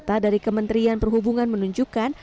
data dari kementerian perhubungan menunjukkan